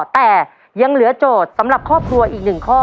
แต่ยังเหลือโจทย์สำหรับครอบครัวอีก๑ข้อ